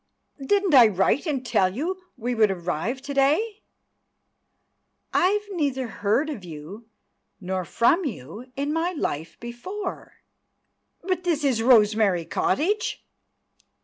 "Didn't I write and tell you we would arrive to day?" "I've neither heard of you, nor from you, in my life before!" "But this is Rosemary Cottage?"